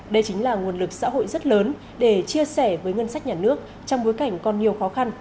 đây chính là nguồn lực xã hội rất lớn để chia sẻ với ngân sách nhà nước trong bối cảnh còn nhiều khó khăn